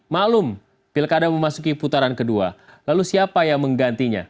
malum pilkada memasuki putaran kedua lalu siapa yang menggantinya